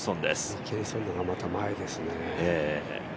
ミケルソンの方がまた前ですね。